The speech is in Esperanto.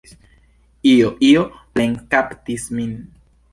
Io, io plenkaptis min.